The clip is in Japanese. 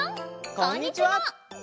こんにちは！